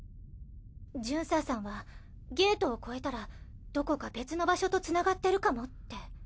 ジュンサーさんはゲートを越えたらどこか別の場所とつながってるかもって。